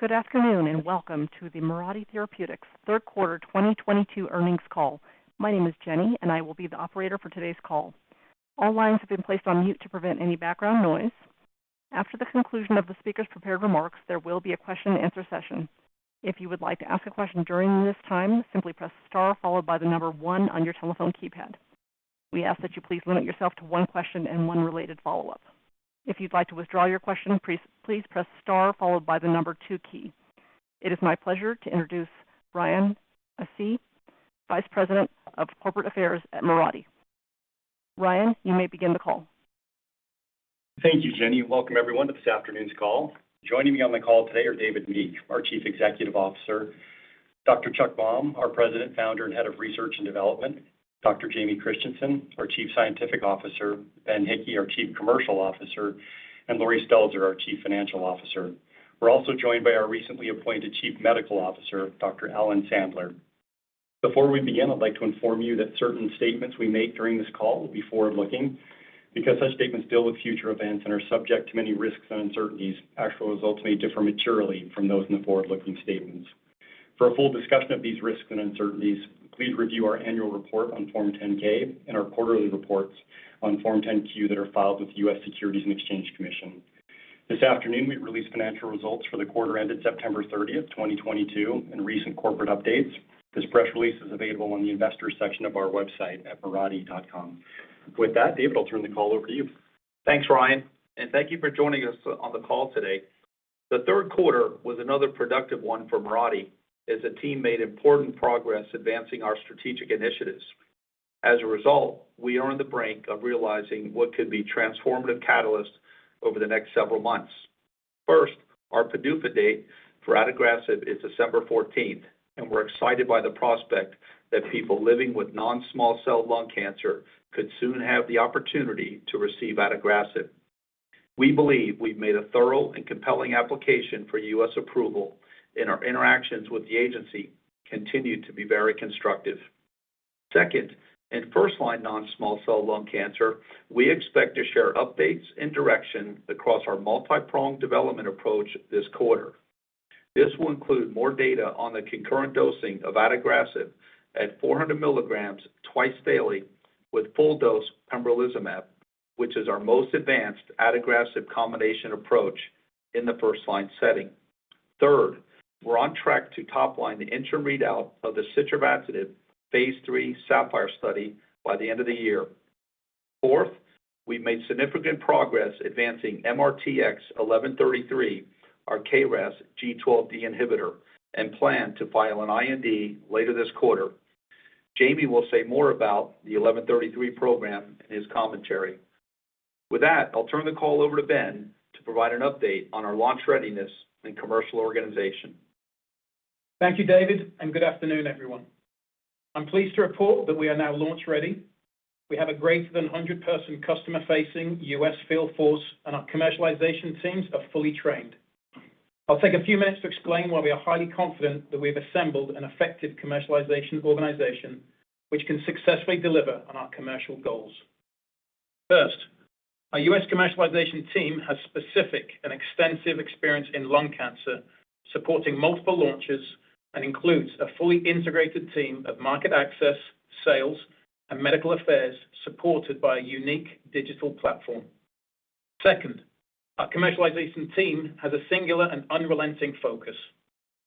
Good afternoon, and welcome to the Mirati Therapeutics third quarter 2022 earnings call. My name is Jenny, and I will be the operator for today's call. All lines have been placed on mute to prevent any background noise. After the conclusion of the speaker's prepared remarks, there will be a question-and-answer session. If you would like to ask a question during this time, simply press star followed by the number one on your telephone keypad. We ask that you please limit yourself to one question and one related follow-up. If you'd like to withdraw your question, please press star followed by the number two key. It is my pleasure to introduce Ryan Asay, Vice President of Corporate Affairs at Mirati. Ryan, you may begin the call. Thank you, Jenny. Welcome everyone to this afternoon's call. Joining me on the call today are David Meek, our Chief Executive Officer, Dr. Charles Baum, our President, Founder, and Head of Research and Development, Dr. Jamie Christensen, our Chief Scientific Officer, Ben Hickey, our Chief Commercial Officer, and Laurie Stelzer, our Chief Financial Officer. We're also joined by our recently appointed Chief Medical Officer, Dr. Alan Sandler. Before we begin, I'd like to inform you that certain statements we make during this call will be forward-looking. Because such statements deal with future events and are subject to many risks and uncertainties, actual results may differ materially from those in the forward-looking statements. For a full discussion of these risks and uncertainties, please review our annual report on Form 10-K and our quarterly reports on Form 10-Q that are filed with the US Securities and Exchange Commission. This afternoon we released financial results for the quarter ended September 30, 2022, and recent corporate updates. This press release is available on the investors section of our website at mirati.com. With that, David, I'll turn the call over to you. Thanks, Ryan, and thank you for joining us on the call today. The third quarter was another productive one for Mirati as the team made important progress advancing our strategic initiatives. As a result, we are on the brink of realizing what could be transformative catalysts over the next several months. First, our PDUFA date for adagrasib is December fourteenth, and we're excited by the prospect that people living with non-small cell lung cancer could soon have the opportunity to receive adagrasib. We believe we've made a thorough and compelling application for U.S. approval, and our interactions with the agency continue to be very constructive. Second, in first-line non-small cell lung cancer, we expect to share updates and direction across our multi-pronged development approach this quarter. This will include more data on the concurrent dosing of adagrasib at 400 mg twice daily with full dose pembrolizumab, which is our most advanced adagrasib combination approach in the first-line setting. Third, we're on track to top-line the interim readout of the sitravatinib phase 3 SAPPHIRE study by the end of the year. Fourth, we've made significant progress advancing MRTX1133, our KRAS G12D inhibitor, and plan to file an IND later this quarter. Jamie will say more about the 1133 program in his commentary. With that, I'll turn the call over to Ben to provide an update on our launch readiness and commercial organization. Thank you, David, and good afternoon, everyone. I'm pleased to report that we are now launch-ready. We have a greater than 100-person customer-facing U.S. field force, and our commercialization teams are fully trained. I'll take a few minutes to explain why we are highly confident that we've assembled an effective commercialization organization which can successfully deliver on our commercial goals. First, our U.S. commercialization team has specific and extensive experience in lung cancer, supporting multiple launches, and includes a fully integrated team of market access, sales, and medical affairs supported by a unique digital platform. Second, our commercialization team has a singular and unrelenting focus,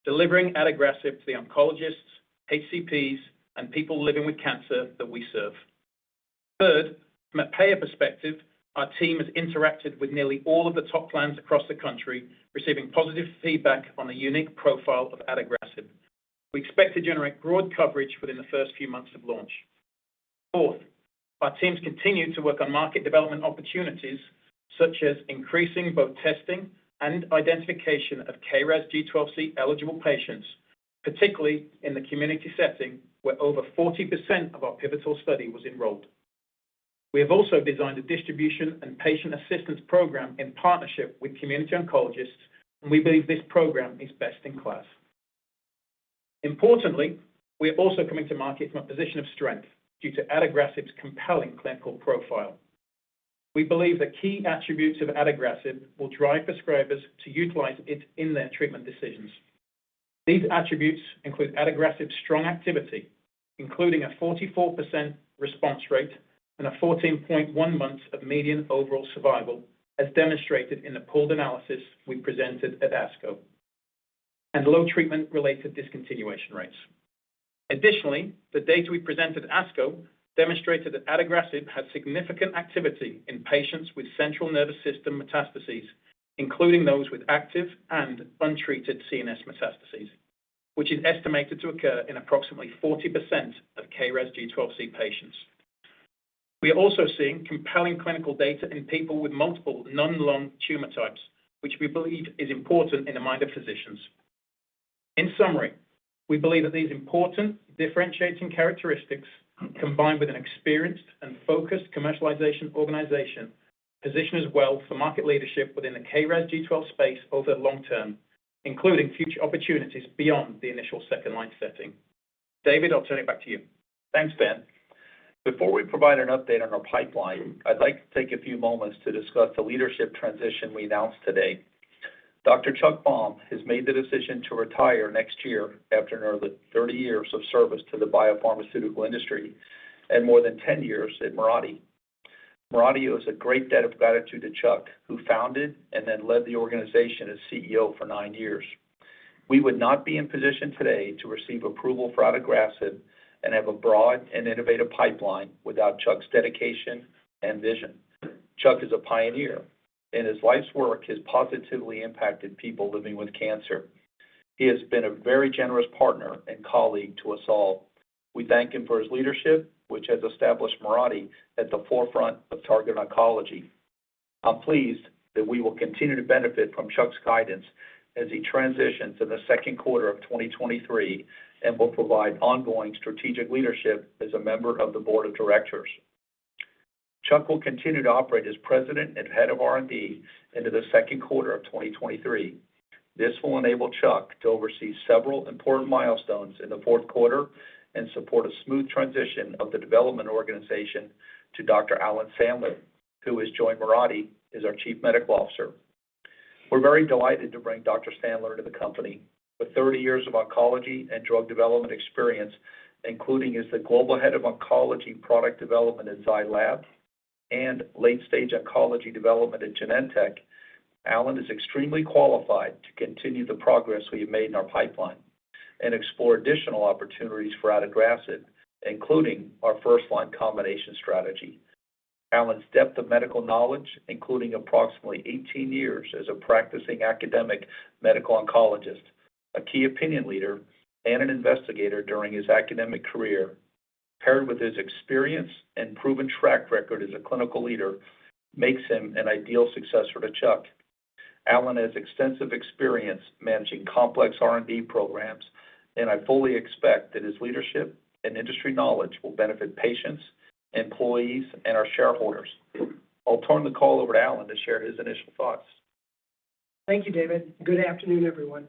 delivering adagrasib to the oncologists, HCPs, and people living with cancer that we serve. Third, from a payer perspective, our team has interacted with nearly all of the top plans across the country, receiving positive feedback on the unique profile of adagrasib. We expect to generate broad coverage within the first few months of launch. Fourth, our teams continue to work on market development opportunities, such as increasing both testing and identification of KRAS G12C eligible patients, particularly in the community setting, where over 40% of our pivotal study was enrolled. We have also designed a distribution and patient assistance program in partnership with community oncologists, and we believe this program is best in class. Importantly, we are also coming to market from a position of strength due to adagrasib's compelling clinical profile. We believe the key attributes of adagrasib will drive prescribers to utilize it in their treatment decisions. These attributes include adagrasib's strong activity, including a 44% response rate and a 14.1 months of median overall survival, as demonstrated in the pooled analysis we presented at ASCO, and low treatment-related discontinuation rates. Additionally, the data we presented at ASCO demonstrated that adagrasib has significant activity in patients with central nervous system metastases, including those with active and untreated CNS metastases, which is estimated to occur in approximately 40% of KRAS G12C patients. We are also seeing compelling clinical data in people with multiple non-lung tumor types, which we believe is important in the mind of physicians. In summary, we believe that these important differentiating characteristics, combined with an experienced and focused commercialization organization, position us well for market leadership within the KRAS G12C space over the long term, including future opportunities beyond the initial second-line setting. David, I'll turn it back to you. Thanks, Ben. Before we provide an update on our pipeline, I'd like to take a few moments to discuss the leadership transition we announced today. Dr. Charles Baum has made the decision to retire next year after nearly 30 years of service to the biopharmaceutical industry and more than 10 years at Mirati. Mirati owes a great debt of gratitude to Chuck, who founded and then led the organization as CEO for 9 years. We would not be in position today to receive approval for adagrasib and have a broad and innovative pipeline without Chuck's dedication and vision. Chuck is a pioneer, and his life's work has positively impacted people living with cancer. He has been a very generous partner and colleague to us all. We thank him for his leadership, which has established Mirati at the forefront of targeted oncology. I'm pleased that we will continue to benefit from Chuck's guidance as he transitions in the second quarter of 2023 and will provide ongoing strategic leadership as a member of the board of directors. Chuck will continue to operate as President and Head of R&D into the second quarter of 2023. This will enable Chuck to oversee several important milestones in the fourth quarter and support a smooth transition of the development organization to Dr. Alan Sandler, who has joined Mirati as our Chief Medical Officer. We're very delighted to bring Dr. Sandler to the company. With 30 years of oncology and drug development experience, including as the Global Head of Oncology Product Development at Zai Lab and late-stage oncology development at Genentech, Alan is extremely qualified to continue the progress we have made in our pipeline and explore additional opportunities for adagrasib, including our first-line combination strategy. Alan's depth of medical knowledge, including approximately 18 years as a practicing academic medical oncologist, a key opinion leader, and an investigator during his academic career, paired with his experience and proven track record as a clinical leader, makes him an ideal successor to Chuck. Alan has extensive experience managing complex R&D programs, and I fully expect that his leadership and industry knowledge will benefit patients, employees, and our shareholders. I'll turn the call over to Alan to share his initial thoughts. Thank you, David. Good afternoon, everyone.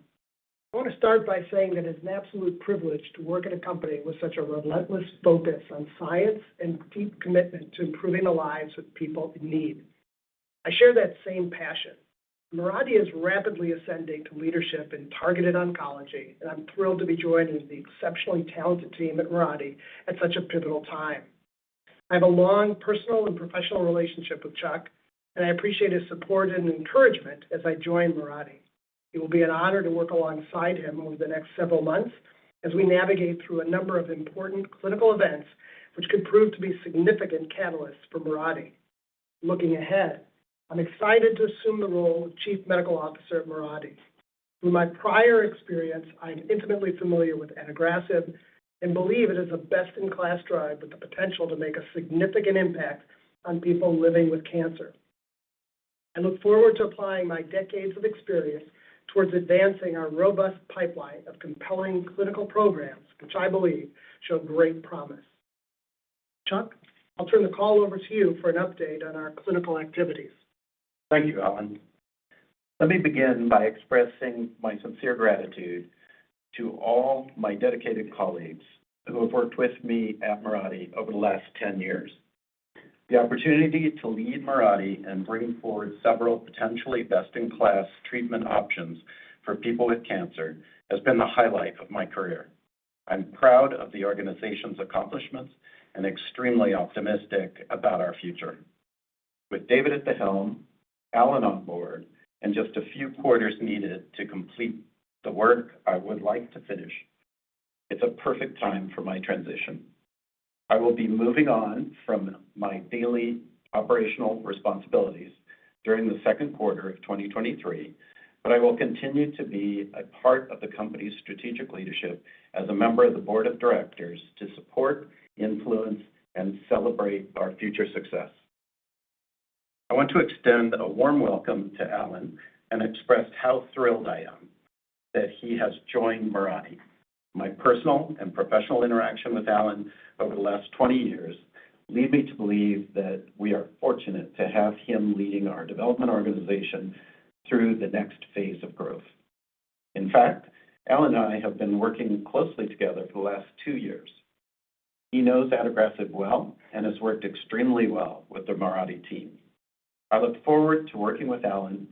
I want to start by saying that it's an absolute privilege to work at a company with such a relentless focus on science and deep commitment to improving the lives of people in need. I share that same passion. Mirati is rapidly ascending to leadership in targeted oncology, and I'm thrilled to be joining the exceptionally talented team at Mirati at such a pivotal time. I have a long personal and professional relationship with Chuck, and I appreciate his support and encouragement as I join Mirati. It will be an honor to work alongside him over the next several months as we navigate through a number of important clinical events which could prove to be significant catalysts for Mirati. Looking ahead, I'm excited to assume the role of Chief Medical Officer at Mirati. Through my prior experience, I'm intimately familiar with adagrasib and believe it is a best-in-class drug with the potential to make a significant impact on people living with cancer. I look forward to applying my decades of experience toward advancing our robust pipeline of compelling clinical programs, which I believe show great promise. Chuck, I'll turn the call over to you for an update on our clinical activities. Thank you, Alan. Let me begin by expressing my sincere gratitude to all my dedicated colleagues who have worked with me at Mirati over the last 10 years. The opportunity to lead Mirati in bringing forward several potentially best-in-class treatment options for people with cancer has been the highlight of my career. I'm proud of the organization's accomplishments and extremely optimistic about our future. With David at the helm, Alan on board, and just a few quarters needed to complete the work I would like to finish, it's a perfect time for my transition. I will be moving on from my daily operational responsibilities during the second quarter of 2023, but I will continue to be a part of the company's strategic leadership as a member of the board of directors to support, influence, and celebrate our future success. I want to extend a warm welcome to Alan and express how thrilled I am that he has joined Mirati. My personal and professional interaction with Alan over the last 20 years lead me to believe that we are fortunate to have him leading our development organization through the next phase of growth. In fact, Alan and I have been working closely together for the last 2 years. He knows adagrasib well and has worked extremely well with the Mirati team. I look forward to working with Alan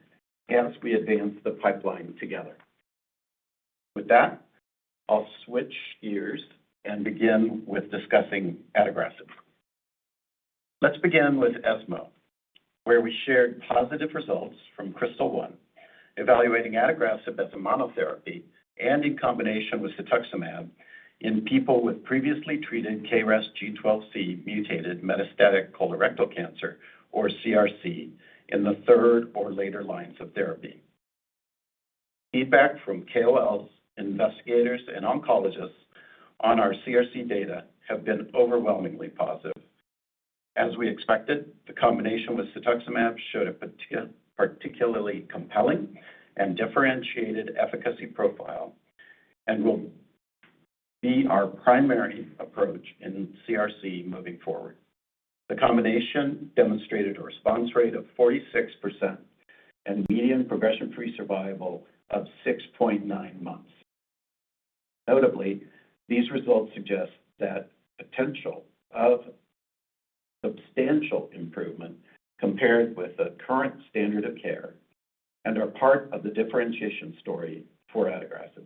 as we advance the pipeline together. With that, I'll switch gears and begin with discussing adagrasib. Let's begin with ESMO, where we shared positive results from KRYSTAL-1, evaluating adagrasib as a monotherapy and in combination with cetuximab in people with previously treated KRAS G12C mutated metastatic colorectal cancer, or CRC, in the third or later lines of therapy. Feedback from KOLs, investigators, and oncologists on our CRC data have been overwhelmingly positive. As we expected, the combination with cetuximab showed a particularly compelling and differentiated efficacy profile and will be our primary approach in CRC moving forward. The combination demonstrated a response rate of 46% and median progression-free survival of 6.9 months. Notably, these results suggest that potential of substantial improvement compared with the current standard of care and are part of the differentiation story for adagrasib.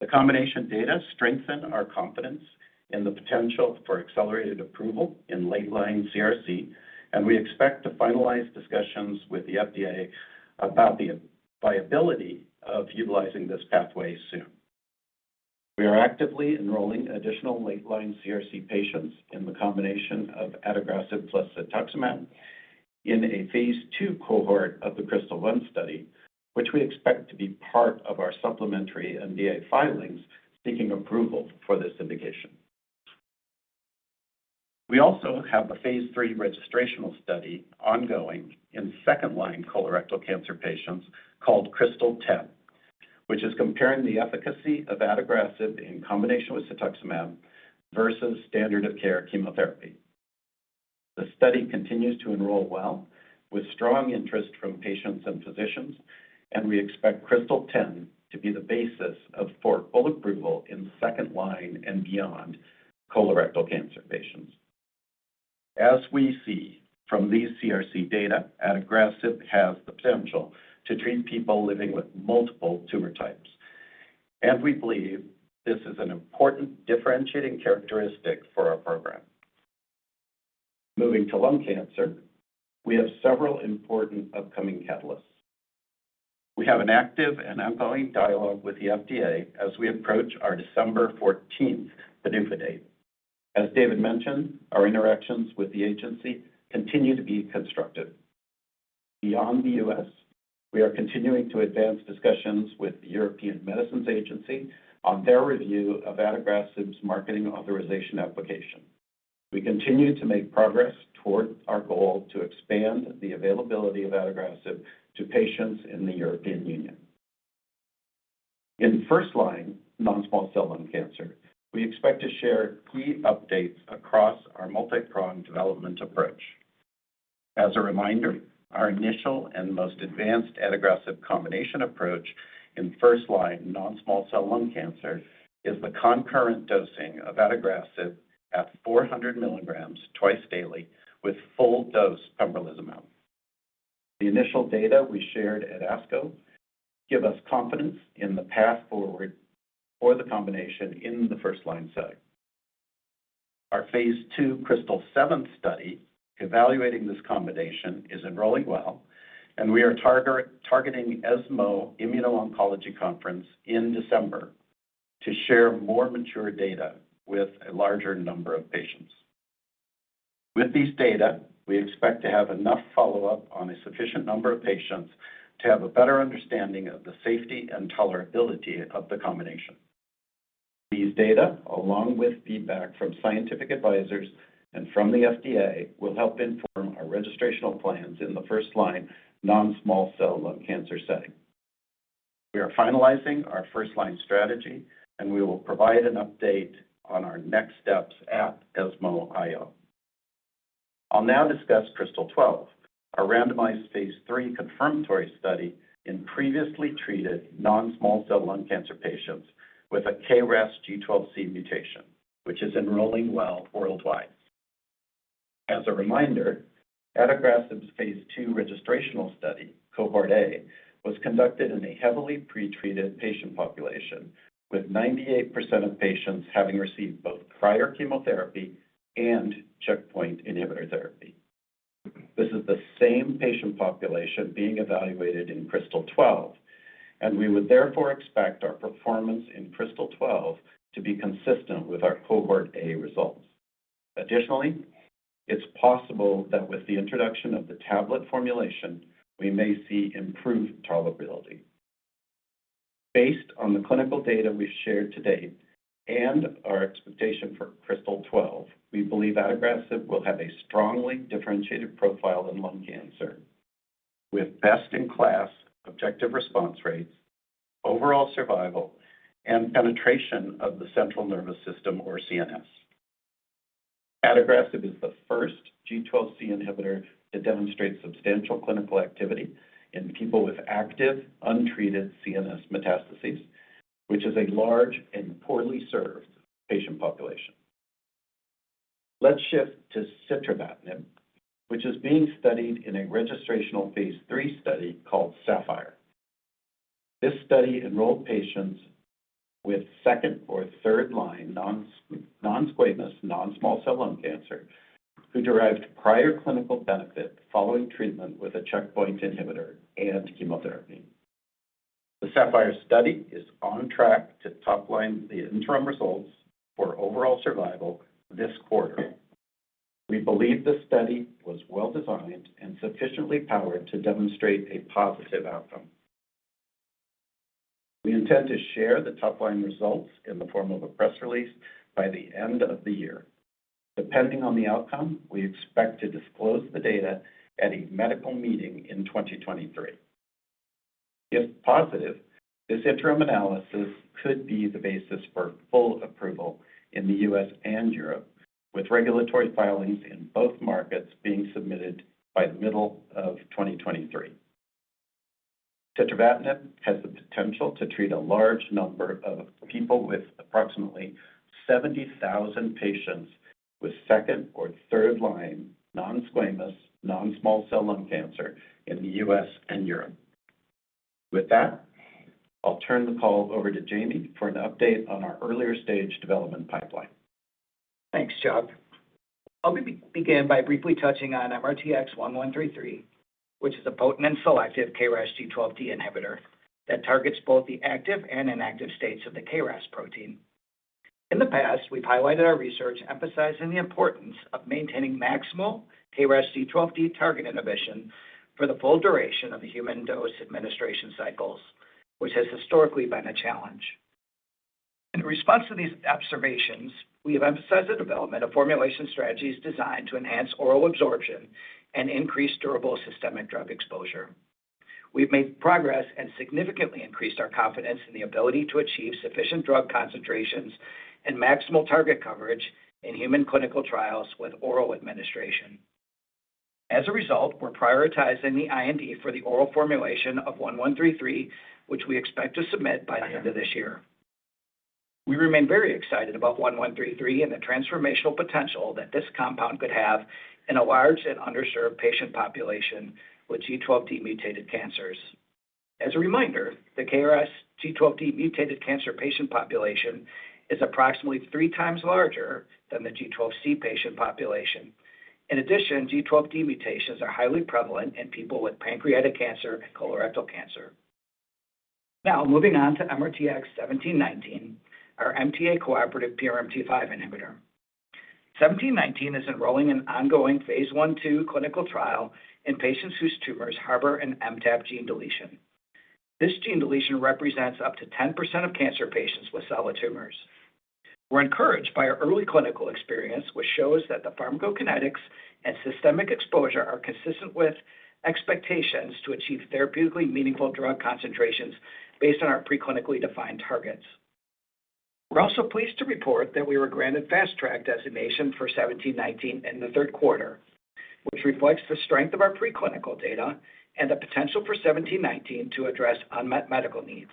The combination data strengthen our confidence in the potential for accelerated approval in late-line CRC, and we expect to finalize discussions with the FDA about the viability of utilizing this pathway soon. We are actively enrolling additional late-line CRC patients in the combination of adagrasib plus cetuximab in a phase 2 cohort of the KRYSTAL-1 study, which we expect to be part of our supplementary NDA filings seeking approval for this indication. We also have a phase 3 registrational study ongoing in second-line colorectal cancer patients called KRYSTAL-10, which is comparing the efficacy of adagrasib in combination with cetuximab versus standard of care chemotherapy. The study continues to enroll well with strong interest from patients and physicians, and we expect KRYSTAL-10 to be the basis for full approval in second-line and beyond colorectal cancer patients. As we see from these CRC data, adagrasib has the potential to treat people living with multiple tumor types, and we believe this is an important differentiating characteristic for our program. Moving to lung cancer, we have several important upcoming catalysts. We have an active and ongoing dialogue with the FDA as we approach our December fourteenth PDUFA date. As David mentioned, our interactions with the agency continue to be constructive. Beyond the U.S., we are continuing to advance discussions with the European Medicines Agency on their review of adagrasib's marketing authorization application. We continue to make progress toward our goal to expand the availability of adagrasib to patients in the European Union. In first-line non-small cell lung cancer, we expect to share key updates across our multipronged development approach. As a reminder, our initial and most advanced adagrasib combination approach in first-line non-small cell lung cancer is the concurrent dosing of adagrasib at 400 milligrams twice daily with full dose pembrolizumab. The initial data we shared at ASCO give us confidence in the path forward for the combination in the first-line setting. Our phase 2 KRYSTAL-7 study evaluating this combination is enrolling well, and we are targeting ESMO Immuno-Oncology Conference in December to share more mature data with a larger number of patients. With these data, we expect to have enough follow-up on a sufficient number of patients to have a better understanding of the safety and tolerability of the combination. These data, along with feedback from scientific advisors and from the FDA, will help inform our registrational plans in the first-line non-small cell lung cancer setting. We are finalizing our first-line strategy, and we will provide an update on our next steps at ESMO IO. I'll now discuss KRYSTAL-12, a randomized phase 3 confirmatory study in previously treated non-small cell lung cancer patients with a KRAS G12C mutation, which is enrolling well worldwide. As a reminder, adagrasib's phase 2 registrational study, Cohort A, was conducted in a heavily pretreated patient population with 98% of patients having received both prior chemotherapy and checkpoint inhibitor therapy. This is the same patient population being evaluated in KRYSTAL-12, and we would therefore expect our performance in KRYSTAL-12 to be consistent with our Cohort A results. Additionally, it's possible that with the introduction of the tablet formulation, we may see improved tolerability. Based on the clinical data we've shared to date and our expectation for KRYSTAL-12, we believe adagrasib will have a strongly differentiated profile in lung cancer with best-in-class objective response rates, overall survival, and penetration of the central nervous system or CNS. Adagrasib is the first G12C inhibitor to demonstrate substantial clinical activity in people with active untreated CNS metastases, which is a large and poorly served patient population. Let's shift to sitravatinib, which is being studied in a registrational phase 3 study called SAPPHIRE. This study enrolled patients with second- or third-line non-squamous non-small cell lung cancer who derived prior clinical benefit following treatment with a checkpoint inhibitor and chemotherapy. The SAPPHIRE study is on track to top-line the interim results for overall survival this quarter. We believe the study was well-designed and sufficiently powered to demonstrate a positive outcome. We intend to share the top-line results in the form of a press release by the end of the year. Depending on the outcome, we expect to disclose the data at a medical meeting in 2023. If positive, this interim analysis could be the basis for full approval in the U.S. and Europe. With regulatory filings in both markets being submitted by the middle of 2023. Sitravatinib has the potential to treat a large number of people with approximately 70,000 patients with second or third line non-squamous, non-small cell lung cancer in the US and Europe. With that, I'll turn the call over to Jamie for an update on our earlier stage development pipeline. Thanks, Chuck. I'll begin by briefly touching on MRTX1133, which is a potent and selective KRASG12D inhibitor that targets both the active and inactive states of the KRAS protein. In the past, we've highlighted our research emphasizing the importance of maintaining maximal KRASG12D target inhibition for the full duration of the human dose administration cycles, which has historically been a challenge. In response to these observations, we have emphasized the development of formulation strategies designed to enhance oral absorption and increase durable systemic drug exposure. We've made progress and significantly increased our confidence in the ability to achieve sufficient drug concentrations and maximal target coverage in human clinical trials with oral administration. As a result, we're prioritizing the IND for the oral formulation of one one three three, which we expect to submit by the end of this year. We remain very excited about MRTX1133 and the transformational potential that this compound could have in a large and underserved patient population with G12D-mutated cancers. As a reminder, the KRASG12D-mutated cancer patient population is approximately three times larger than the G12C patient population. In addition, G12D mutations are highly prevalent in people with pancreatic cancer and colorectal cancer. Now, moving on to MRTX1719, our MTA-cooperative PRMT5 inhibitor. MRTX1719 is enrolling in an ongoing phase 1/2 clinical trial in patients whose tumors harbor an MTAP gene deletion. This gene deletion represents up to 10% of cancer patients with solid tumors. We're encouraged by our early clinical experience, which shows that the pharmacokinetics and systemic exposure are consistent with expectations to achieve therapeutically meaningful drug concentrations based on our pre-clinically defined targets. We're also pleased to report that we were granted fast track designation for MRTX1719 in the third quarter, which reflects the strength of our pre-clinical data and the potential for MRTX1719 to address unmet medical needs.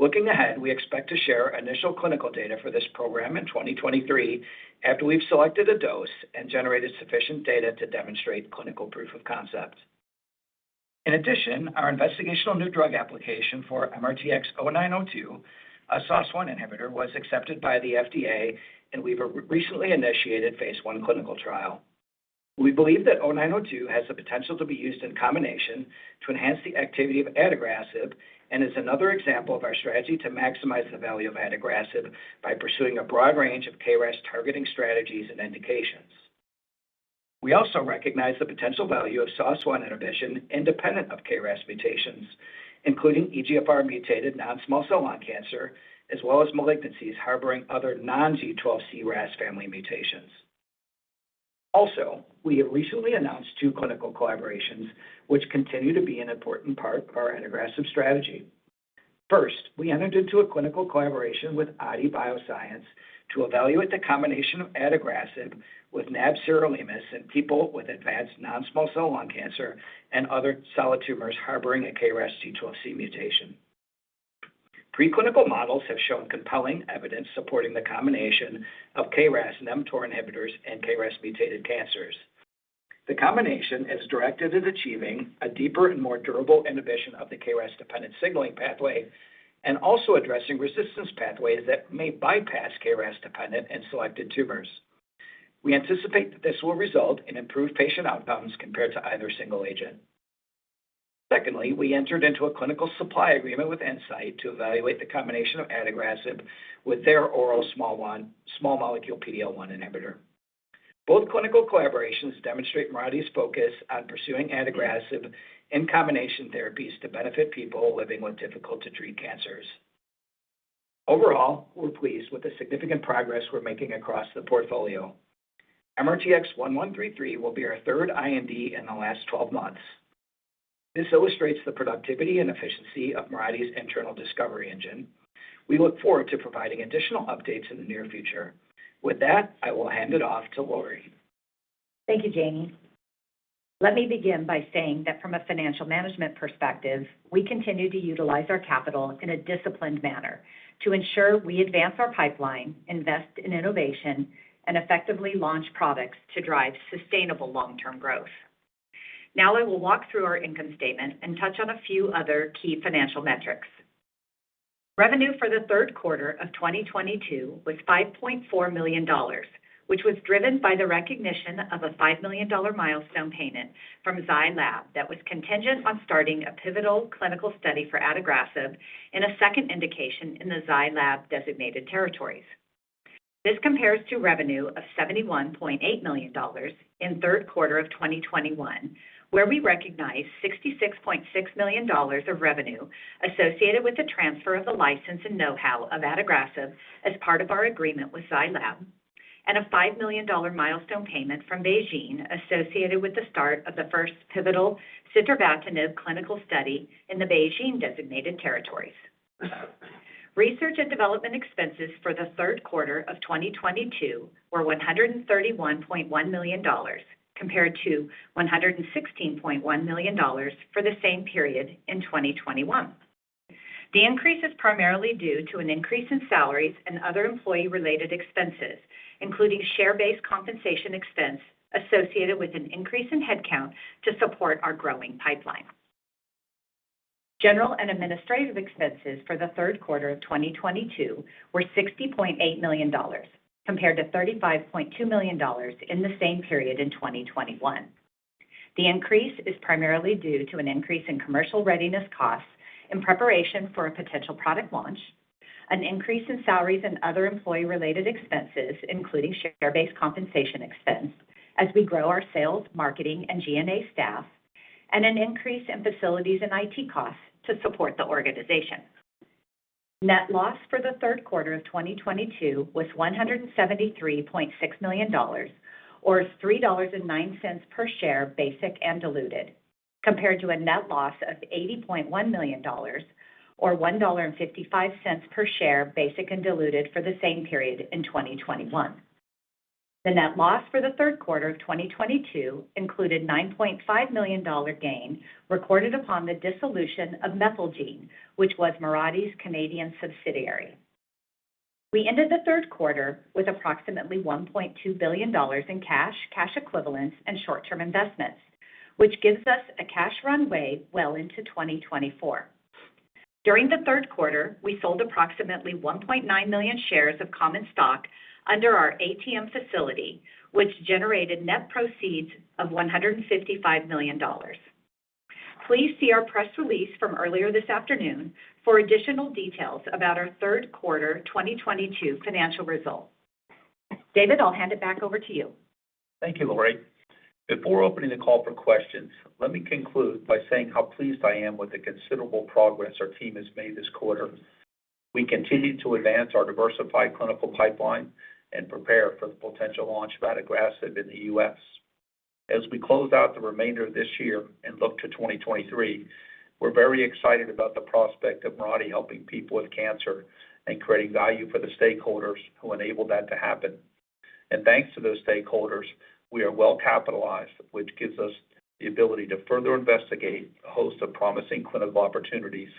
Looking ahead, we expect to share initial clinical data for this program in 2023 after we've selected a dose and generated sufficient data to demonstrate clinical proof of concept. In addition, our investigational new drug application for MRTX0902, a SOS1 inhibitor, was accepted by the FDA, and we've recently initiated phase 1 clinical trial. We believe that MRTX0902 has the potential to be used in combination to enhance the activity of adagrasib and is another example of our strategy to maximize the value of adagrasib by pursuing a broad range of KRAS targeting strategies and indications. We also recognize the potential value of SOS1 inhibition independent of KRAS mutations, including EGFR mutated non-small cell lung cancer, as well as malignancies harboring other non-G12C RAS family mutations. Also, we have recently announced two clinical collaborations which continue to be an important part of our adagrasib strategy. First, we entered into a clinical collaboration with Aadi Bioscience to evaluate the combination of adagrasib with nab-sirolimus in people with advanced non-small cell lung cancer and other solid tumors harboring a KRASG12C mutation. Preclinical models have shown compelling evidence supporting the combination of KRAS and mTOR inhibitors in KRAS mutated cancers. The combination is directed at achieving a deeper and more durable inhibition of the KRAS-dependent signaling pathway and also addressing resistance pathways that may bypass KRAS-dependent and selected tumors. We anticipate that this will result in improved patient outcomes compared to either single agent. Secondly, we entered into a clinical supply agreement with Incyte to evaluate the combination of adagrasib with their oral small molecule PD-L1 inhibitor. Both clinical collaborations demonstrate Mirati's focus on pursuing adagrasib in combination therapies to benefit people living with difficult to treat cancers. Overall, we're pleased with the significant progress we're making across the portfolio. MRTX1133 will be our third IND in the last 12 months. This illustrates the productivity and efficiency of Mirati's internal discovery engine. We look forward to providing additional updates in the near future. With that, I will hand it off to Lori. Thank you, Jamie. Let me begin by saying that from a financial management perspective, we continue to utilize our capital in a disciplined manner to ensure we advance our pipeline, invest in innovation and effectively launch products to drive sustainable long-term growth. Now I will walk through our income statement and touch on a few other key financial metrics. Revenue for the third quarter of 2022 was $5.4 million, which was driven by the recognition of a $5 million milestone payment from Zai Lab that was contingent on starting a pivotal clinical study for adagrasib in a second indication in the Zai Lab designated territories. This compares to revenue of $71.8 million in third quarter of 2021, where we recognized $66.6 million of revenue associated with the transfer of the license and know-how of adagrasib as part of our agreement with Zai Lab, and a $5 million milestone payment from BeiGene associated with the start of the first pivotal sitravatinib clinical study in the BeiGene designated territories. Research and development expenses for the third quarter of 2022 were $131.1 million compared to $116.1 million for the same period in 2021. The increase is primarily due to an increase in salaries and other employee-related expenses, including share-based compensation expense associated with an increase in headcount to support our growing pipeline. General and administrative expenses for the third quarter of 2022 were $60.8 million compared to $35.2 million in the same period in 2021. The increase is primarily due to an increase in commercial readiness costs in preparation for a potential product launch, an increase in salaries and other employee-related expenses, including share-based compensation expense as we grow our sales, marketing, and G&A staff, and an increase in facilities and IT costs to support the organization. Net loss for the third quarter of 2022 was $173.6 million, or $3.09 per share, basic and diluted, compared to a net loss of $80.1 million or $1.55 per share, basic and diluted, for the same period in 2021. The net loss for the third quarter of 2022 included $9.5 million gain recorded upon the dissolution of MethylGene, which was Mirati's Canadian subsidiary. We ended the third quarter with approximately $1.2 billion in cash equivalents, and short-term investments, which gives us a cash runway well into 2024. During the third quarter, we sold approximately 1.9 million shares of common stock under our ATM facility, which generated net proceeds of $155 million. Please see our press release from earlier this afternoon for additional details about our third quarter 2022 financial results. David, I'll hand it back over to you. Thank you, Laurie. Before opening the call for questions, let me conclude by saying how pleased I am with the considerable progress our team has made this quarter. We continue to advance our diversified clinical pipeline and prepare for the potential launch of adagrasib in the U.S. As we close out the remainder of this year and look to 2023, we're very excited about the prospect of Mirati helping people with cancer and creating value for the stakeholders who enable that to happen. Thanks to those stakeholders, we are well-capitalized, which gives us the ability to further investigate a host of promising clinical opportunities.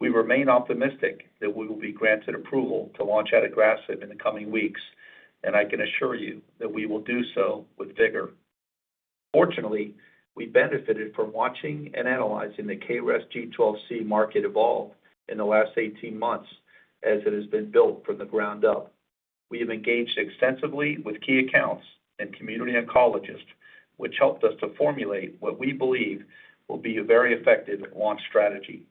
We remain optimistic that we will be granted approval to launch adagrasib in the coming weeks, and I can assure you that we will do so with vigor. Fortunately, we benefited from watching and analyzing the KRAS G12C market evolve in the last 18 months as it has been built from the ground up. We have engaged extensively with key accounts and community oncologists, which helped us to formulate what we believe will be a very effective launch strategy.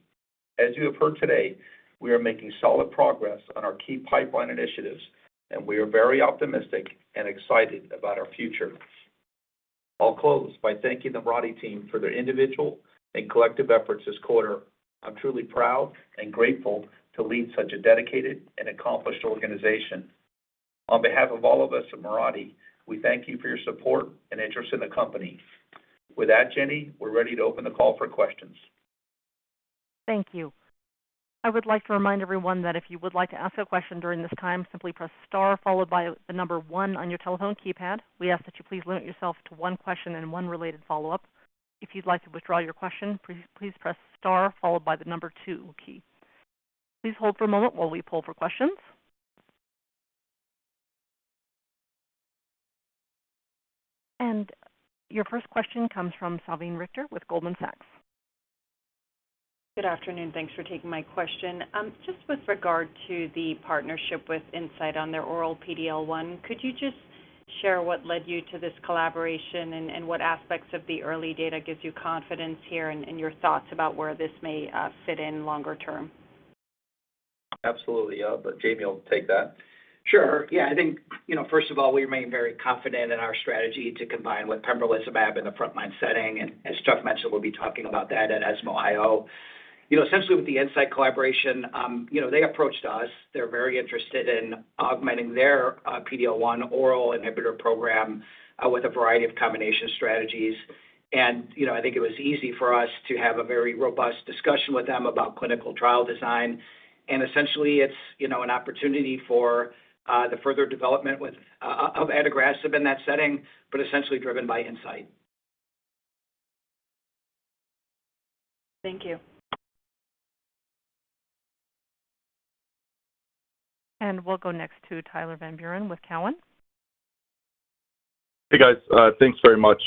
As you have heard today, we are making solid progress on our key pipeline initiatives, and we are very optimistic and excited about our future. I'll close by thanking the Mirati team for their individual and collective efforts this quarter. I'm truly proud and grateful to lead such a dedicated and accomplished organization. On behalf of all of us at Mirati, we thank you for your support and interest in the company. With that, Jenny, we're ready to open the call for questions. Thank you. I would like to remind everyone that if you would like to ask a question during this time, simply press star followed by the number 1 on your telephone keypad. We ask that you please limit yourself to one question and one related follow-up. If you'd like to withdraw your question, please press star followed by the number 2 key. Please hold for a moment while we pull for questions. Your first question comes from Salveen Richter with Goldman Sachs. Good afternoon. Thanks for taking my question. Just with regard to the partnership with Incyte on their oral PD-L1, could you just share what led you to this collaboration and what aspects of the early data gives you confidence here and your thoughts about where this may fit in longer term? Absolutely. I'll let Jamie take that. Sure. Yeah. I think, you know, first of all, we remain very confident in our strategy to combine with pembrolizumab in the front line setting. As Chuck mentioned, we'll be talking about that at ESMO IO. You know, essentially with the Incyte collaboration, you know, they approached us. They're very interested in augmenting their, PD-L1 oral inhibitor program, with a variety of combination strategies. You know, I think it was easy for us to have a very robust discussion with them about clinical trial design. Essentially, it's, you know, an opportunity for, the further development of adagrasib in that setting, but essentially driven by Incyte. Thank you. We'll go next to Tyler Van Buren with Cowen. Hey, guys. Thanks very much.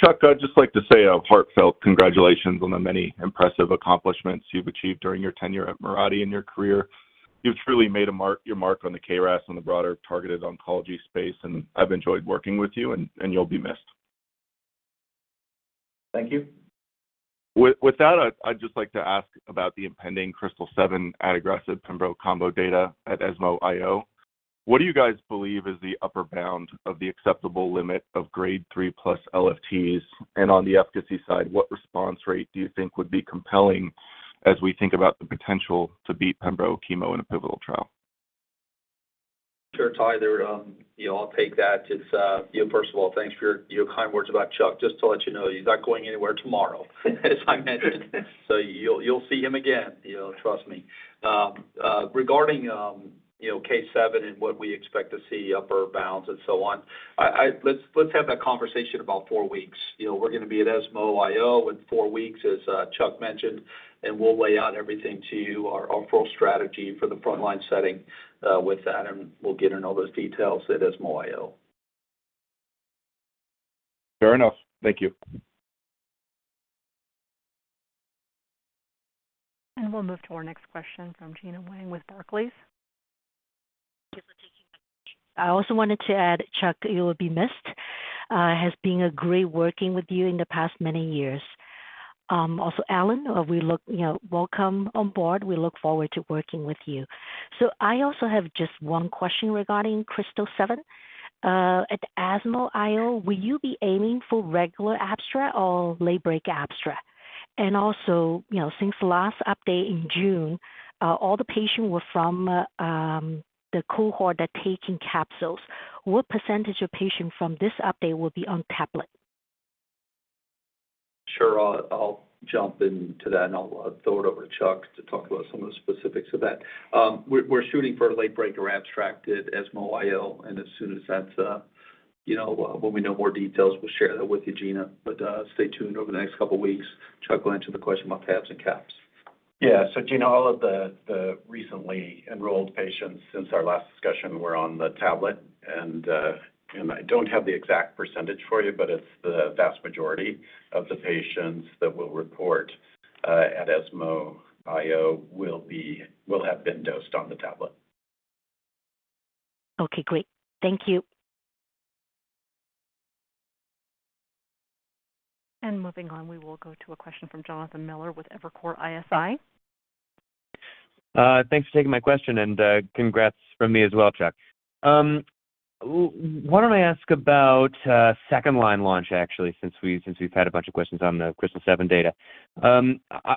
Chuck, I'd just like to say a heartfelt congratulations on the many impressive accomplishments you've achieved during your tenure at Mirati in your career. You've truly made your mark on the KRAS and the broader targeted oncology space, and I've enjoyed working with you, and you'll be missed. Thank you. With that, I'd just like to ask about the impending KRYSTAL-7 adagrasib pembro combo data at ESMO IO. What do you guys believe is the upper bound of the acceptable limit of grade 3 plus LFTs? On the efficacy side, what response rate do you think would be compelling as we think about the potential to beat pembro chemo in a pivotal trial? Sure, Ty, there, you know, I'll take that. It's... You know, first of all, thanks for your kind words about Chuck. Just to let you know, he's not going anywhere tomorrow, as I mentioned. So you'll see him again, you know, trust me. Regarding, you know, K7 and what we expect to see upper bounds and so on, let's have that conversation about four weeks. You know, we're gonna be at ESMO IO in four weeks, as Chuck mentioned, and we'll lay out everything to you, our full strategy for the frontline setting, with that, and we'll get in all those details at ESMO IO. Fair enough. Thank you. We'll move to our next question from Gena Wang with Barclays. Thank you for taking my question. I also wanted to add, Chuck, you will be missed. It has been great working with you in the past many years. Also, Alan, welcome on board. We look forward to working with you. I also have just one question regarding KRYSTAL-7. At the ESMO IO, will you be aiming for regular abstract or late-breaking abstract? And also, since the last update in June, all the patients were from the cohort that taking capsules. What percentage of patients from this update will be on tablet? Sure. I'll jump into that, and I'll throw it over to Chuck to talk about some of the specifics of that. We're shooting for a late breaker abstract at ESMO IO, and as soon as that's, you know, when we know more details, we'll share that with you, Gina. Stay tuned over the next couple of weeks. Chuck will answer the question about tabs and caps. Gena, all of the recently enrolled patients since our last discussion were on the tablet. I don't have the exact percentage for you, but it's the vast majority of the patients that we'll report at ESMO IO will have been dosed on the tablet. Okay, great. Thank you. Moving on, we will go to a question from Jonathan Miller with Evercore ISI. Thanks for taking my question, and congrats from me as well, Chuck. Why don't I ask about second line launch, actually, since we've had a bunch of questions on the KRYSTAL-7 data.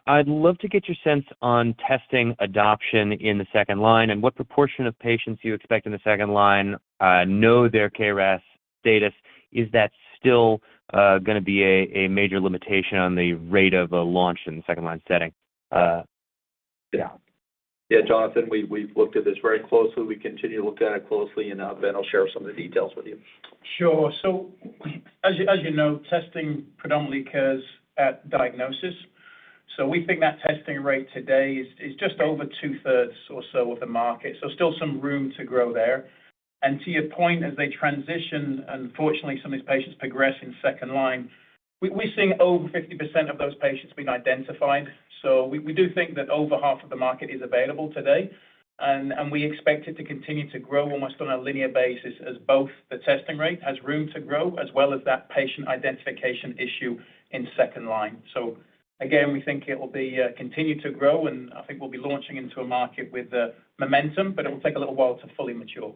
I'd love to get your sense on testing adoption in the second line and what proportion of patients you expect in the second line know their KRAS status. Is that still gonna be a major limitation on the rate of a launch in the second line setting? Yeah. Yeah, Jonathan, we've looked at this very closely. We continue to look at it closely. Ben will share some of the details with you. Sure. As you know, testing predominantly occurs at diagnosis. We think that testing rate today is just over two-thirds or so of the market, so still some room to grow there. To your point, as they transition, unfortunately, some of these patients progress in second line. We're seeing over 50% of those patients being identified. We do think that over half of the market is available today, and we expect it to continue to grow almost on a linear basis as both the testing rate has room to grow as well as that patient identification issue in second line. Again, we think it will continue to grow, and I think we'll be launching into a market with momentum, but it will take a little while to fully mature.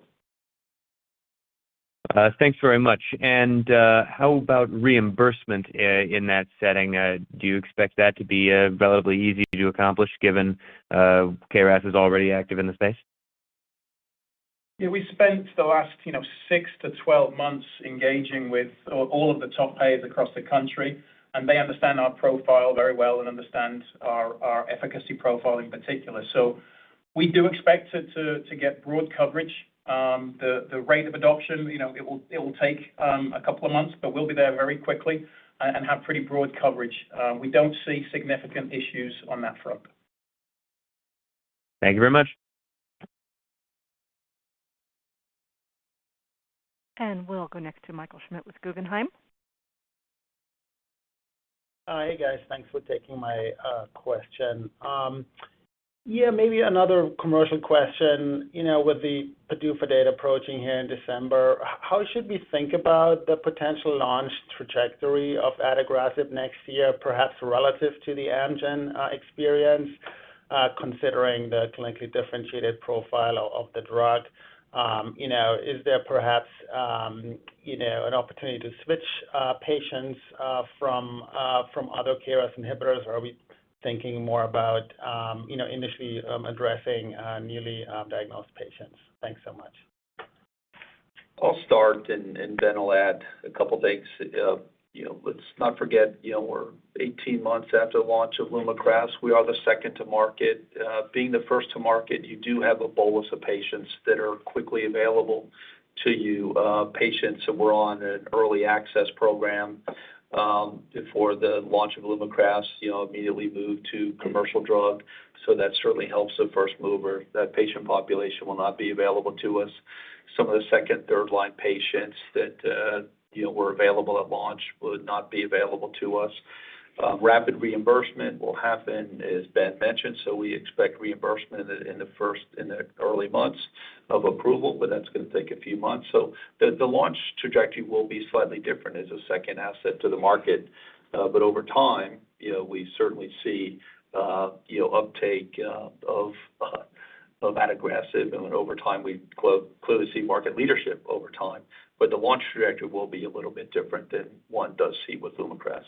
Thanks very much. How about reimbursement in that setting? Do you expect that to be relatively easy to accomplish given KRAS is already active in the space? Yeah. We spent the last, you know, 6-12 months engaging with all of the top payers across the country, and they understand our profile very well and understand our efficacy profile in particular. We do expect it to get broad coverage. The rate of adoption, you know, it will take a couple of months, but we'll be there very quickly, and have pretty broad coverage. We don't see significant issues on that front. Thank you very much. We'll go next to Michael Schmidt with Guggenheim. Hey, guys. Thanks for taking my question. Yeah, maybe another commercial question. You know, with the PDUFA date approaching here in December, how should we think about the potential launch trajectory of adagrasib next year, perhaps relative to the Amgen experience, considering the clinically differentiated profile of the drug? You know, is there perhaps an opportunity to switch patients from other KRAS inhibitors, or are we thinking more about initially addressing newly diagnosed patients? Thanks so much. I'll start, and Ben will add a couple of things. You know, let's not forget, you know, we're 18 months after the launch of LUMAKRAS. We are the second to market. Being the first to market, you do have a bolus of patients that are quickly available to you, patients that were on an early access program before the launch of LUMAKRAS, you know, immediately moved to commercial drug. So that certainly helps the first mover. That patient population will not be available to us. Some of the second, third line patients that, you know, were available at launch will not be available to us. Rapid reimbursement will happen as Ben mentioned, so we expect reimbursement in the early months of approval, but that's gonna take a few months. The launch trajectory will be slightly different as a second asset to the market. Over time, you know, we certainly see you know, uptake of adagrasib, and over time, we clearly see market leadership over time. The launch trajectory will be a little bit different than one does see with LUMAKRAS.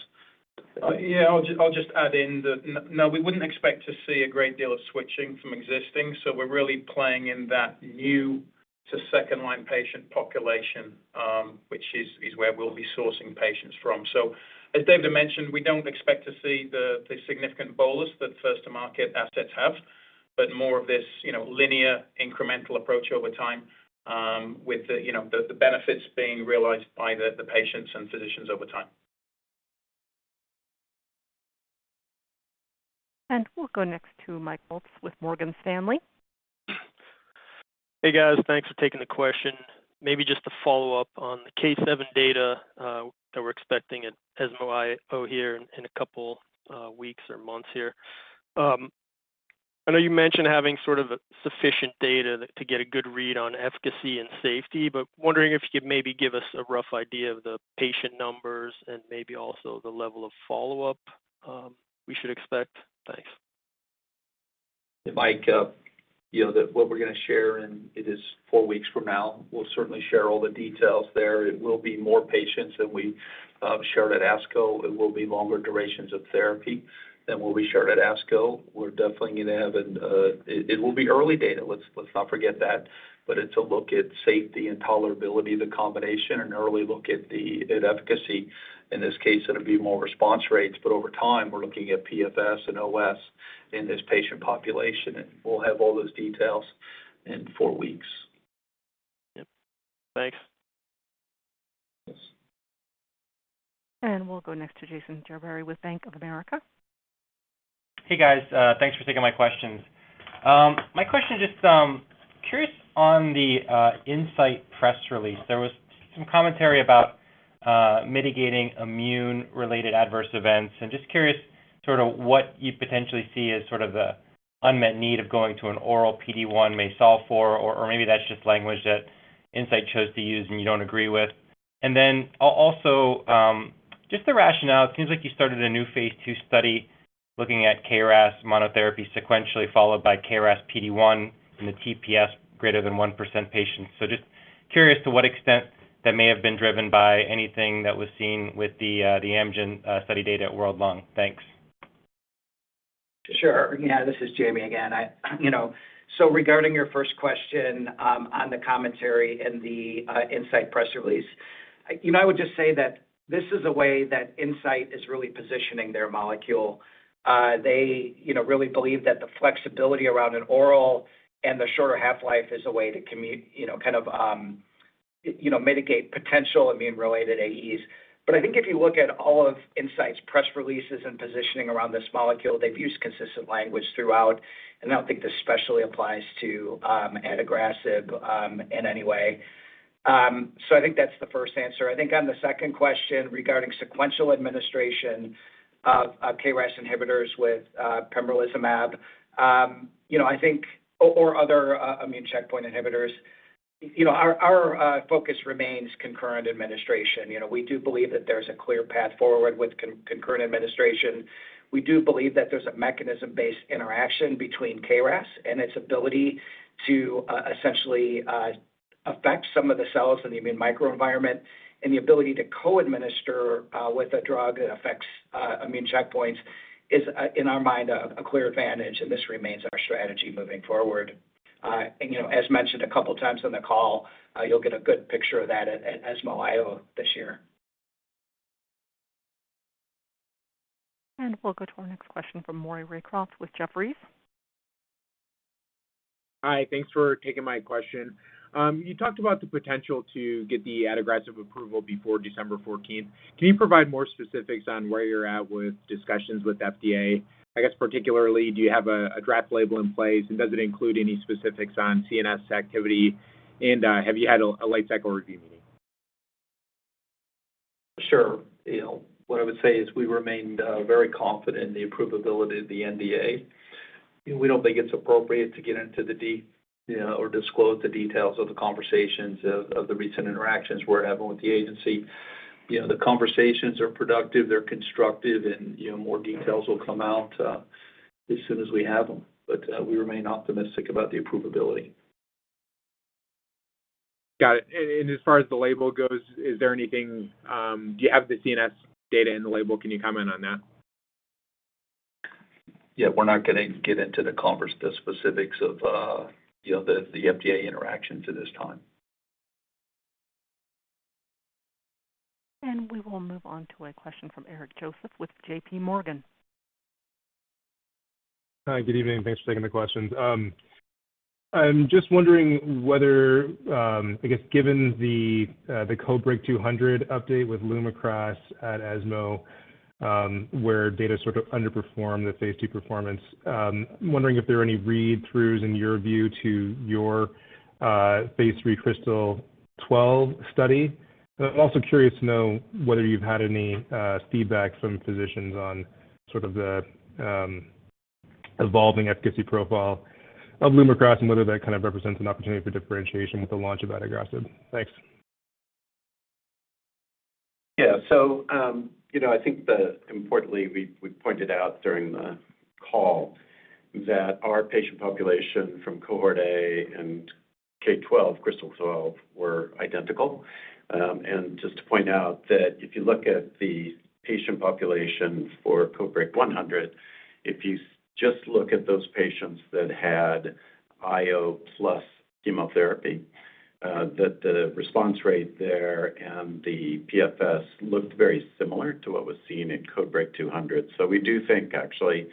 Yeah, I'll just add in that no, we wouldn't expect to see a great deal of switching from existing, so we're really playing in that new to second-line patient population, which is where we'll be sourcing patients from. As David mentioned, we don't expect to see the significant bolus that first-to-market assets have, but more of this, you know, linear incremental approach over time, with you know, the benefits being realized by the patients and physicians over time. We'll go next to Mike Ulz with Morgan Stanley. Hey, guys. Thanks for taking the question. Maybe just to follow up on the K-7 data that we're expecting at ESMO IO here in a couple weeks or months here. I know you mentioned having sort of sufficient data to get a good read on efficacy and safety, but wondering if you could maybe give us a rough idea of the patient numbers and maybe also the level of follow-up we should expect. Thanks. Mike, you know, what we're gonna share, it is 4 weeks from now. We'll certainly share all the details there. It will be more patients than we shared at ASCO. It will be longer durations of therapy than what we shared at ASCO. It will be early data. Let's not forget that. It's a look at safety and tolerability of the combination and an early look at efficacy. In this case, it'll be more response rates, but over time, we're looking at PFS and OS in this patient population, and we'll have all those details in 4 weeks. Yep. Thanks. Yes. We'll go next to Jason Gerberry with Bank of America. Hey, guys. Thanks for taking my questions. I'm just curious about the Incyte press release. There was some commentary about mitigating immune-related adverse events. I'm just curious sort of what you potentially see as sort of the unmet need of going to an oral PD-1 may solve for, or maybe that's just language that Incyte chose to use, and you don't agree with. Also, just the rationale. It seems like you started a new phase 2 study looking at KRAS monotherapy sequentially followed by KRAS PD-1 in the TPS greater than 1% patients. So just curious to what extent that may have been driven by anything that was seen with the Amgen study data at World Lung. Thanks. Sure. Yeah, this is Jamie again. You know, regarding your first question, on the commentary and the Incyte press release, you know, I would just say that this is a way that Incyte is really positioning their molecule. They, you know, really believe that the flexibility around an oral and the shorter half-life is a way to you know, kind of, you know, mitigate potential immune-related AEs. I think if you look at all of Incyte's press releases and positioning around this molecule, they've used consistent language throughout, and I don't think this specifically applies to adagrasib in any way. I think that's the first answer. I think on the second question regarding sequential administration of KRAS inhibitors with pembrolizumab, you know, I think Other immune checkpoint inhibitors, you know, our focus remains concurrent administration. You know, we do believe that there's a clear path forward with concurrent administration. We do believe that there's a mechanism-based interaction between KRAS and its ability to essentially affect some of the cells in the immune microenvironment, and the ability to co-administer with a drug that affects immune checkpoints is in our mind a clear advantage, and this remains our strategy moving forward. You know, as mentioned a couple times on the call, you'll get a good picture of that at ESMO IO this year. We'll go to our next question from Maury Raycroft with Jefferies. Hi. Thanks for taking my question. You talked about the potential to get the adagrasib approval before December fourteenth. Can you provide more specifics on where you're at with discussions with FDA? I guess particularly, do you have a draft label in place, and does it include any specifics on CNS activity, and have you had a late cycle review meeting? Sure. You know, what I would say is we remain very confident in the approvability of the NDA. You know, we don't think it's appropriate to get into the you know, or disclose the details of the conversations of the recent interactions we're having with the agency. You know, the conversations are productive, they're constructive, and, you know, more details will come out as soon as we have them. We remain optimistic about the approvability. Got it. As far as the label goes, is there anything? Do you have the CNS data in the label? Can you comment on that? Yeah. We're not gonna get into the specifics of, you know, the FDA interactions at this time. We will move on to a question from Eric Joseph with J.P. Morgan. Hi. Good evening. Thanks for taking the questions. I'm just wondering whether, I guess, given the CodeBreaK 200 update with LUMAKRAS at ESMO, where data sort of underperformed the phase 2 performance, wondering if there are any read-throughs in your view to your phase 3 KRYSTAL-12 study. I'm also curious to know whether you've had any feedback from physicians on sort of the evolving efficacy profile of LUMAKRAS and whether that kind of represents an opportunity for differentiation with the launch of adagrasib. Thanks. Yeah. You know, I think importantly, we pointed out during the call that our patient population from Cohort A and KRYSTAL-12, CodeBreaK 200 were identical. Just to point out that if you look at the patient population for CodeBreaK 100, if you just look at those patients that had IO plus chemotherapy, that the response rate there and the PFS looked very similar to what was seen in CodeBreaK 200. We do think actually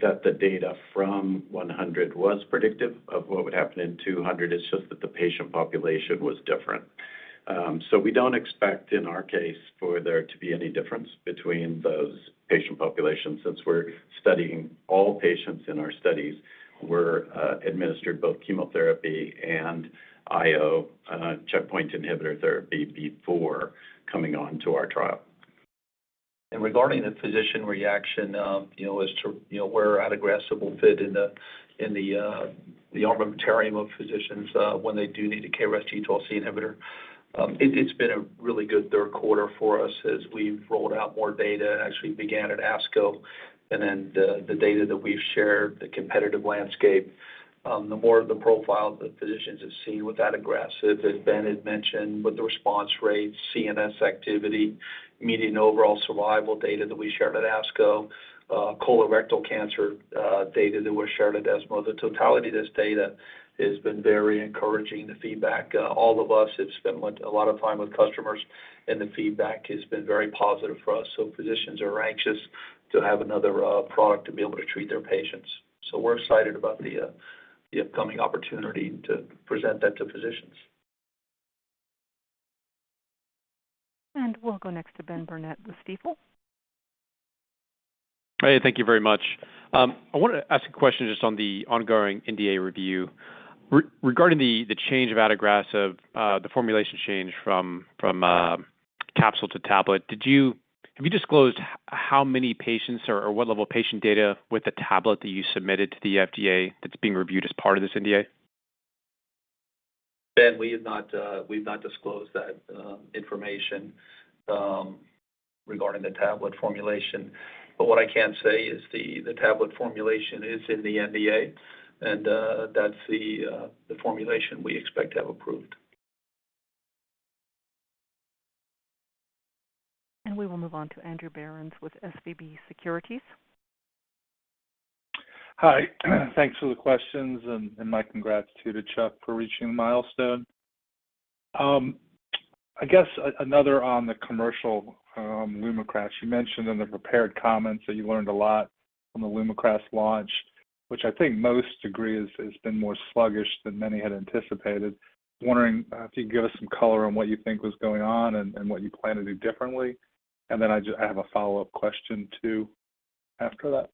that the data from 100 was predictive of what would happen in 200. It's just that the patient population was different. We don't expect in our case for there to be any difference between those patient populations since all patients in our studies were administered both chemotherapy and IO checkpoint inhibitor therapy before coming on to our trial. Regarding the physician reaction, you know, as to where adagrasib will fit in the armamentarium of physicians when they do need a KRAS G12C inhibitor. It's been a really good third quarter for us as we've rolled out more data. Actually began at ASCO, and then the data that we've shared, the competitive landscape. The more of the profile the physicians have seen with adagrasib, as Ben had mentioned, with the response rates, CNS activity, median overall survival data that we shared at ASCO, colorectal cancer data that was shared at ESMO. The totality of this data has been very encouraging, the feedback. All of us have spent a lot of time with customers, and the feedback has been very positive for us. Physicians are anxious to have another product to be able to treat their patients. We're excited about the upcoming opportunity to present that to physicians. We'll go next to Ben Burnett with Stifel. Hey, thank you very much. I wanna ask a question just on the ongoing NDA review. Regarding the change of adagrasib, the formulation change from capsule to tablet, have you disclosed how many patients or what level of patient data with the tablet that you submitted to the FDA that's being reviewed as part of this NDA? Ben, we've not disclosed that information regarding the tablet formulation. What I can say is the tablet formulation is in the NDA, and that's the formulation we expect to have approved. We will move on to Andrew Berens with SVB Securities. Hi. Thanks for the questions and my congrats too to Chuck for reaching the milestone. I guess another on the commercial, LUMAKRAS. You mentioned in the prepared comments that you learned a lot from the LUMAKRAS launch, which I think most agree has been more sluggish than many had anticipated. Wondering if you could give us some color on what you think was going on and what you plan to do differently. Then I have a follow-up question too after that.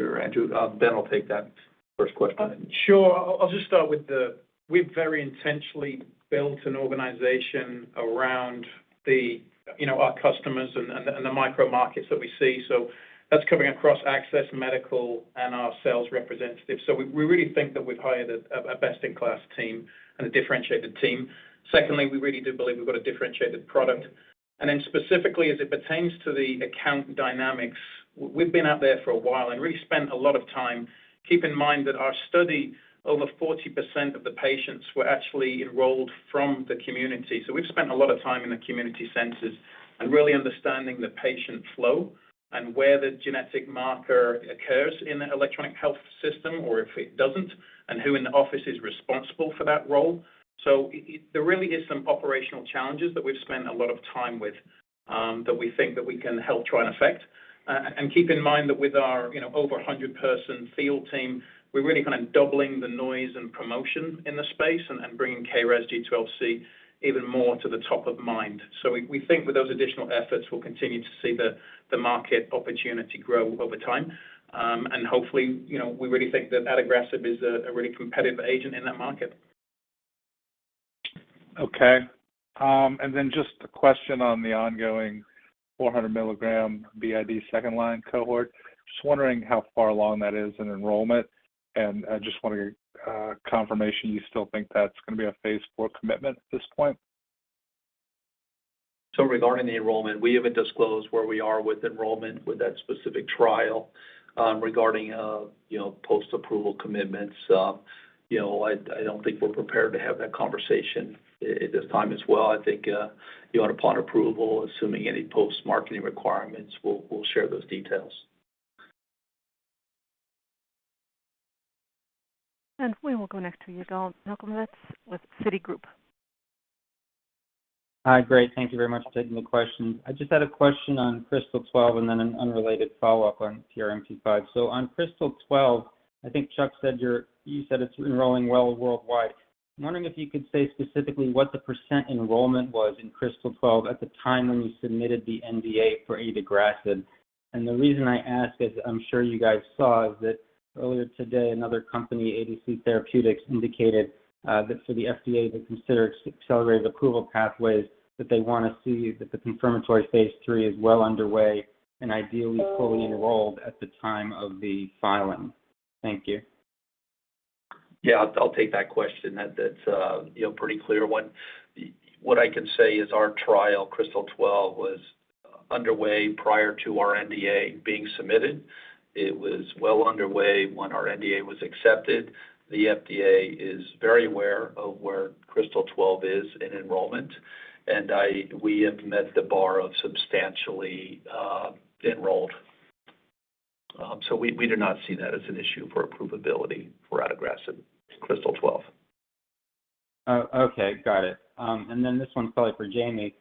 Sure, Andrew. Ben will take that first question. Sure. I'll just start with the. We've very intentionally built an organization around, you know, our customers and the micro markets that we see. That's coming across access, medical, and our sales representatives. We really think that we've hired a best-in-class team and a differentiated team. Secondly, we really do believe we've got a differentiated product. Specifically as it pertains to the account dynamics, we've been out there for a while and really spent a lot of time. Keep in mind that our study, over 40% of the patients were actually enrolled from the community. We've spent a lot of time in the community centers and really understanding the patient flow and where the genetic marker occurs in the electronic health system or if it doesn't, and who in the office is responsible for that role. There really is some operational challenges that we've spent a lot of time with, that we think that we can help try and effect. Keep in mind that with our, you know, over 100-person field team, we're really kind of doubling the noise and promotion in the space and bringing KRAS G12C even more to the top of mind. We think with those additional efforts, we'll continue to see the market opportunity grow over time. Hopefully, you know, we really think that adagrasib is a really competitive agent in that market. Just a question on the ongoing 400 milligram BID second line cohort. Just wondering how far along that is in enrollment. I just want confirmation you still think that's gonna be a phase 4 commitment at this point. Regarding the enrollment, we haven't disclosed where we are with enrollment with that specific trial, you know, post-approval commitments. You know, I don't think we're prepared to have that conversation at this time as well. I think, you know, upon approval, assuming any post-marketing requirements, we'll share those details. We will go next to Yigal Nochomovitz with Citigroup. Hi. Great. Thank you very much for taking the question. I just had a question on KRYSTAL-12 and then an unrelated follow-up on PRMT5. On KRYSTAL-12, I think Chuck said you said it's enrolling well worldwide. I'm wondering if you could say specifically what the % enrollment was in KRYSTAL-12 at the time when you submitted the NDA for adagrasib. The reason I ask is, I'm sure you guys saw, is that earlier today, another company, Arcus Biosciences, indicated that for the FDA to consider accelerated approval pathways, that they wanna see that the confirmatory phase 3 is well underway and ideally fully enrolled at the time of the filing. Thank you. Yeah. I'll take that question. That's you know, pretty clear one. What I can say is our trial, KRYSTAL-12, was underway prior to our NDA being submitted. It was well underway when our NDA was accepted. The FDA is very aware of where KRYSTAL-12 is in enrollment, and we have met the bar of substantially enrolled. So we do not see that as an issue for approvability for adagrasib KRYSTAL-12. Okay. Got it. This one's probably for Jamie.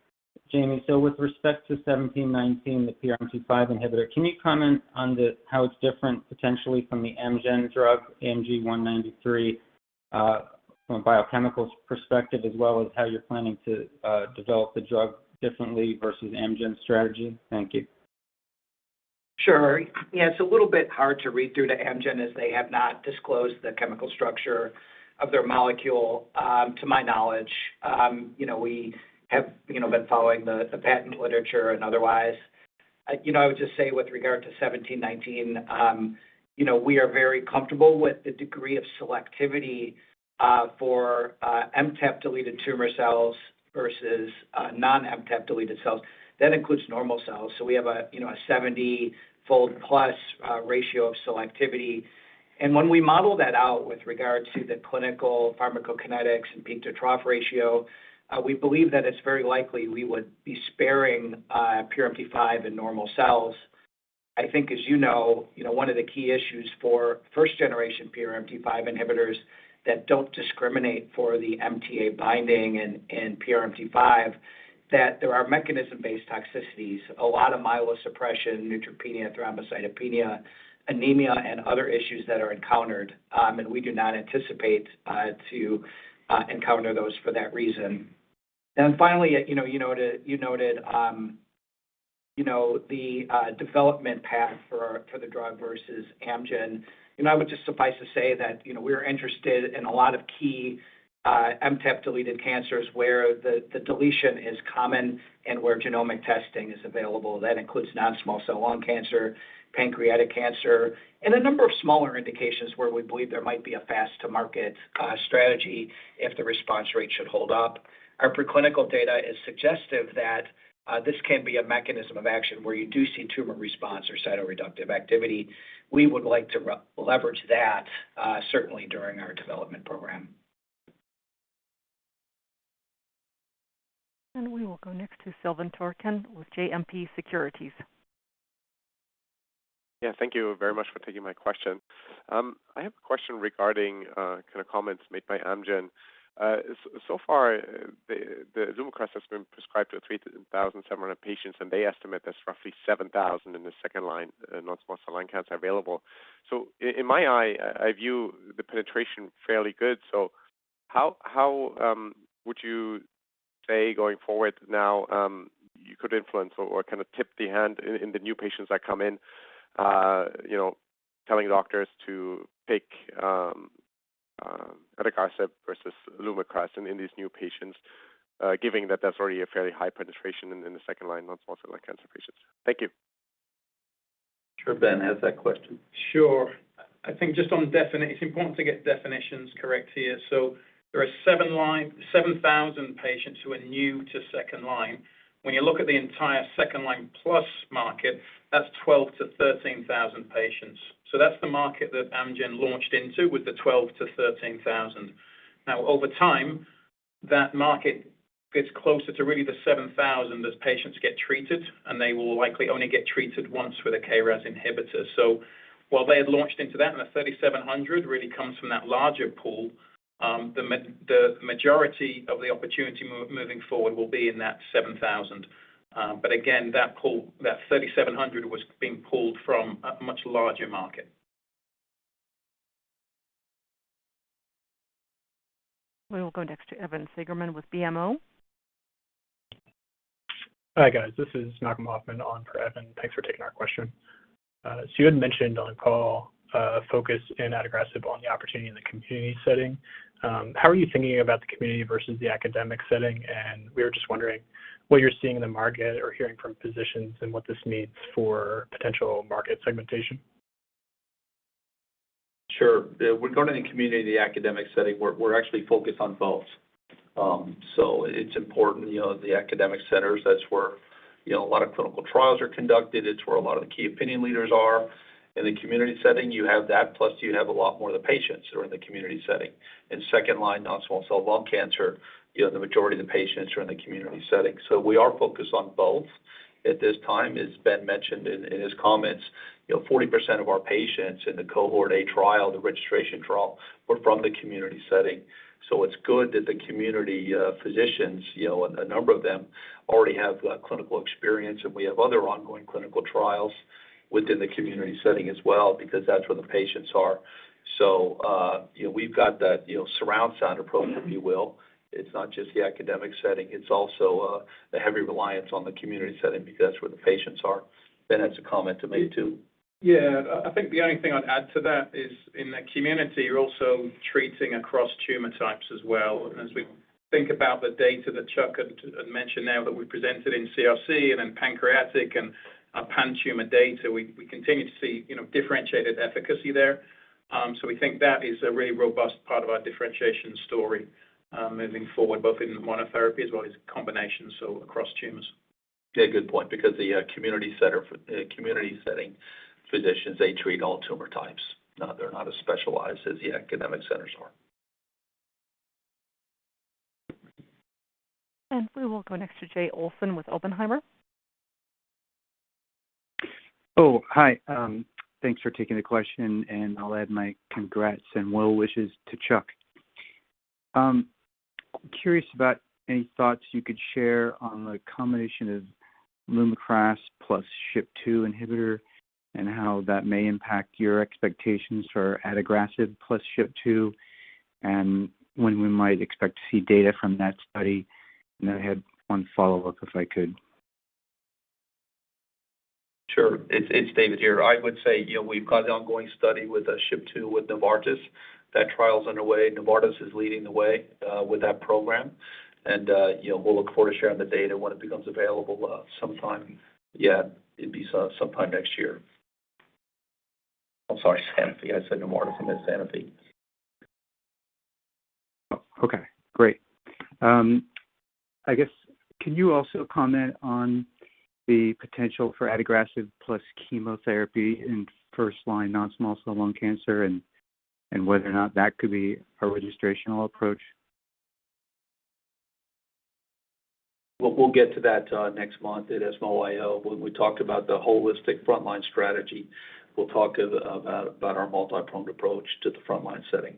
Jamie, so with respect to MRTX1719, the PRMT5 inhibitor, can you comment on how it's different potentially from the Amgen drug, AMG 193, from a biochemical perspective as well as how you're planning to develop the drug differently versus Amgen's strategy? Thank you. Sure. Yeah. It's a little bit hard to read through to Amgen as they have not disclosed the chemical structure of their molecule, to my knowledge. You know, we have been following the patent literature and otherwise. You know, I would just say with regard to 1719, you know, we are very comfortable with the degree of selectivity for MTAP-deleted tumor cells versus non-MTAP-deleted cells. That includes normal cells. We have a, you know, a 70-fold plus ratio of selectivity. When we model that out with regard to the clinical pharmacokinetics and peak to trough ratio, we believe that it's very likely we would be sparing PRMT5 in normal cells. I think as you know, one of the key issues for first generation PRMT5 inhibitors that don't discriminate for the MTA binding and PRMT5, that there are mechanism-based toxicities. A lot of myelosuppression, neutropenia, thrombocytopenia, anemia, and other issues that are encountered, and we do not anticipate to encounter those for that reason. Finally, you know, you noted, you know, the development path for the drug versus Amgen. You know, I would just suffice to say that, you know, we're interested in a lot of key MTAP-deleted cancers where the deletion is common and where genomic testing is available. That includes non-small cell lung cancer, pancreatic cancer, and a number of smaller indications where we believe there might be a fast to market strategy if the response rate should hold up. Our preclinical data is suggestive that this can be a mechanism of action where you do see tumor response or cytoreductive activity. We would like to leverage that, certainly during our development program. We will go next to Silvan Tuerkcan with JMP Securities. Yeah, thank you very much for taking my question. I have a question regarding kind of comments made by Amgen. So far, the LUMAKRAS has been prescribed to 3,700 patients, and they estimate there's roughly 7,000 in the second-line non-small cell lung cancer available. In my view, I view the penetration fairly good. How would you say going forward now, you could influence or kind of tip the hand in the new patients that come in, you know, telling doctors to pick adagrasib versus LUMAKRAS in these new patients, given that that's already a fairly high penetration in the second-line non-small cell lung cancer patients? Thank you. Sure. Ben has that question. Sure. I think just on it's important to get definitions correct here. There are 7,000 patients who are new to second line. When you look at the entire second-line plus market, that's 12,000-13,000 patients. That's the market that Amgen launched into with the 12,000-13,000. Now over time, that market gets closer to really the 7,000 as patients get treated, and they will likely only get treated once with a KRAS inhibitor. While they had launched into that, and the 3,700 really comes from that larger pool, the majority of the opportunity moving forward will be in that 7,000. Again, that pool, that 3,700 was being pulled from a much larger market. We will go next to Evan Seigerman with BMO. Hi, guys. This is Malcolm Hoffman on for Evan Seigerman. Thanks for taking our question. So you had mentioned on the call, a focus in adagrasib on the opportunity in the community setting. How are you thinking about the community versus the academic setting? We were just wondering what you're seeing in the market or hearing from physicians and what this means for potential market segmentation. Sure. Regarding community, academic setting, we're actually focused on both. It's important, you know, the academic centers, that's where, you know, a lot of clinical trials are conducted. It's where a lot of the key opinion leaders are. In the community setting, you have that, plus you have a lot more of the patients who are in the community setting. In second-line non-small cell lung cancer, you know, the majority of the patients are in the community setting. We are focused on both at this time. As Ben mentioned in his comments, you know, 40% of our patients in the Cohort A trial, the registration trial, were from the community setting. It's good that the community physicians, you know, a number of them already have clinical experience, and we have other ongoing clinical trials within the community setting as well because that's where the patients are. You know, we've got that, you know, surround sound approach, if you will. It's not just the academic setting, it's also the heavy reliance on the community setting because that's where the patients are. Ben has a comment to make too. Yeah. I think the only thing I'd add to that is in the community, you're also treating across tumor types as well. As we think about the data that Chuck had mentioned now that we presented in CRC and in pancreatic and Pan-tumor data, we continue to see, you know, differentiated efficacy there. We think that is a really robust part of our differentiation story, moving forward, both in monotherapy as well as combination, so across tumors. Yeah, good point. Because the community setting physicians treat all tumor types. They're not as specialized as the academic centers are. We will go next to Jay Olson with Oppenheimer. Thanks for taking the question, and I'll add my congrats and well wishes to Chuck. Curious about any thoughts you could share on the combination of LUMAKRAS plus SHP2 inhibitor and how that may impact your expectations for adagrasib plus SHP2, and when we might expect to see data from that study. Then I had one follow-up, if I could. Sure. It's David here. I would say, you know, we've got an ongoing study with SHP2 with Novartis. That trial's underway. Novartis is leading the way with that program. You know, we'll look forward to sharing the data when it becomes available sometime next year. I'm sorry, Sanofi. I said Novartis. I meant Sanofi. Oh, okay. Great. I guess can you also comment on the potential for adagrasib plus chemotherapy in first-line non-small cell lung cancer, and whether or not that could be a registrational approach? We'll get to that next month at ESMO IO when we talk about the holistic frontline strategy. We'll talk about our multipronged approach to the frontline setting.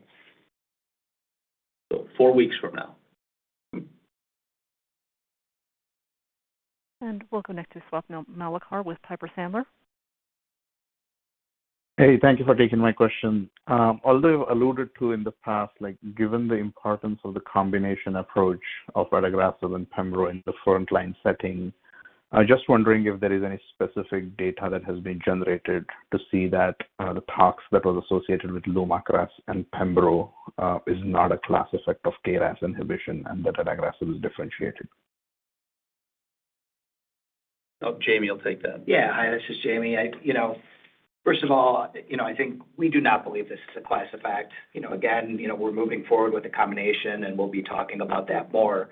Four weeks from now. We'll go next to Swapnil Malekar with Piper Sandler. Hey, thank you for taking my question. Although you alluded to in the past, like, given the importance of the combination approach of adagrasib and pembro in the frontline setting, I'm just wondering if there is any specific data that has been generated to see that the tox that was associated with LUMAKRAS and pembro is not a class effect of KRAS inhibition and that adagrasib is differentiated. Oh, Jamie will take that. Yeah. Hi, this is Jamie. You know, first of all, you know, I think we do not believe this is a class effect. You know, again, you know, we're moving forward with the combination, and we'll be talking about that more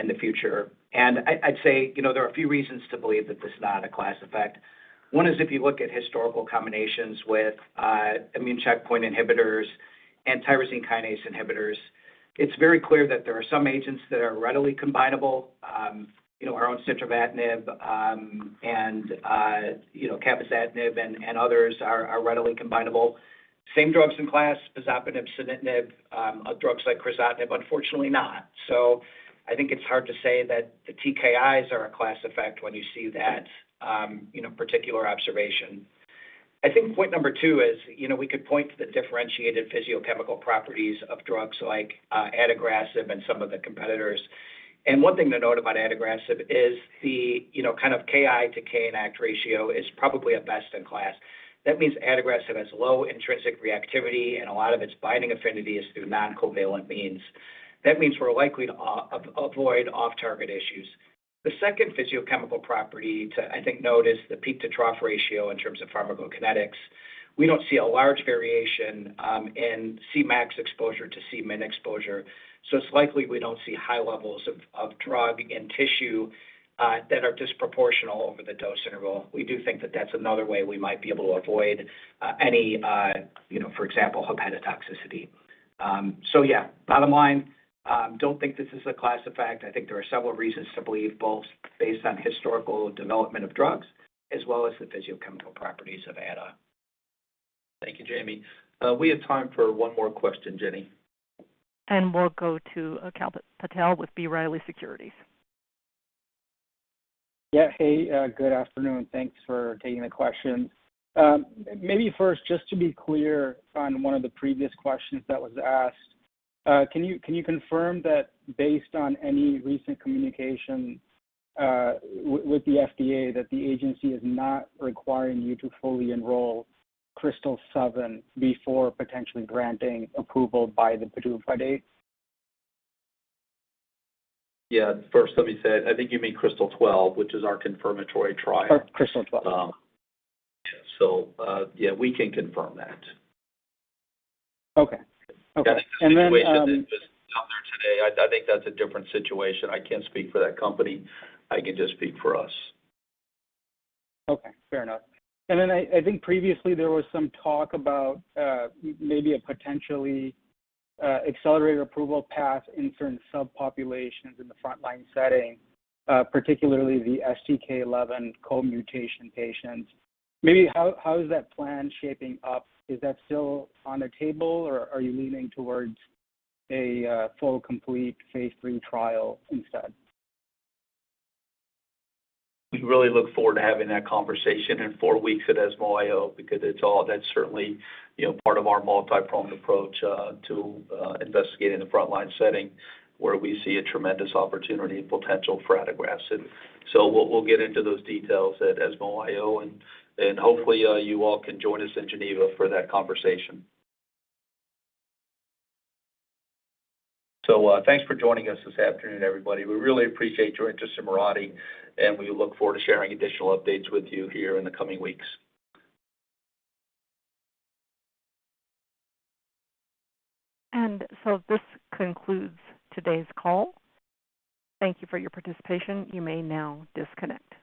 in the future. I'd say, you know, there are a few reasons to believe that this is not a class effect. One is if you look at historical combinations with immune checkpoint inhibitors and tyrosine kinase inhibitors, it's very clear that there are some agents that are readily combinable. You know, our own cetuximab and cabozantinib and others are readily combinable. Same drugs in class, pazopanib, sunitinib, drugs like crizotinib, unfortunately not. I think it's hard to say that the TKIs are a class effect when you see that particular observation. I think point number two is, you know, we could point to the differentiated physicochemical properties of drugs like adagrasib and some of the competitors. One thing to note about adagrasib is the, you know, kind of Ki to Kinact ratio is probably best in class. That means adagrasib has low intrinsic reactivity, and a lot of its binding affinity is through non-covalent means. That means we're likely to avoid off-target issues. The second physicochemical property to, I think, note is the peak-to-trough ratio in terms of pharmacokinetics. We don't see a large variation in Cmax exposure to Cmin exposure, so it's likely we don't see high levels of drug in tissue that are disproportionate over the dose interval. We do think that that's another way we might be able to avoid any, you know, for example, hepatotoxicity. Yeah, bottom line, don't think this is a class effect. I think there are several reasons to believe, both based on historical development of drugs as well as the physicochemical properties of adagrasib. Thank you, Jamie. We have time for one more question, Jenny. We'll go to Kalpit Patel with B. Riley Securities. Yeah. Hey, good afternoon. Thanks for taking the question. Maybe first, just to be clear on one of the previous questions that was asked, can you confirm that based on any recent communication with the FDA that the agency is not requiring you to fully enroll KRYSTAL-7 before potentially granting approval by the PDUFA date? Yeah. First, let me say, I think you mean KRYSTAL-12, which is our confirmatory trial. Oh, KRYSTAL-12. We can confirm that. Okay. That situation that's out there today, I think that's a different situation. I can't speak for that company. I can just speak for us. Okay. Fair enough. Then I think previously there was some talk about maybe a potentially accelerated approval path in certain subpopulations in the frontline setting, particularly the STK11 co-mutation patients. How is that plan shaping up? Is that still on the table, or are you leaning towards a full complete phase three trial instead? We really look forward to having that conversation in four weeks at ESMO IO. That's certainly, you know, part of our multipronged approach to investigating the frontline setting, where we see a tremendous opportunity and potential for adagrasib. We'll get into those details at ESMO IO, and hopefully you all can join us in Geneva for that conversation. Thanks for joining us this afternoon, everybody. We really appreciate your interest in Mirati, and we look forward to sharing additional updates with you here in the coming weeks. This concludes today's call. Thank you for your participation. You may now disconnect.